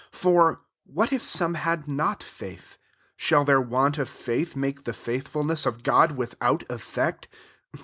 S For what if some bad not faith? shall their want of faith make the faithfulness of God without effect